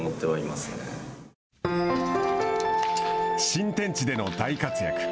新天地での大活躍。